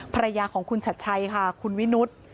ภรรยาของคุณชัดชัยค่ะคุณวินุษย์